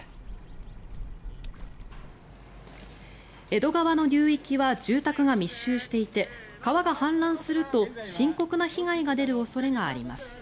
江戸川の流域は住宅が密集していて川が氾濫すると深刻な被害が出る恐れがあります。